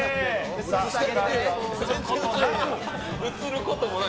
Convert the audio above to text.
映ることもない。